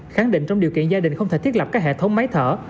khẳng định trong điều kiện gia đình không thể thiết lập các hệ thống máy thở